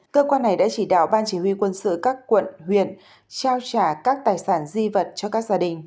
cơ quan này đã chỉ đạo ban chỉ huy quân sự các quận huyện trao trả các tài sản di vật cho các gia đình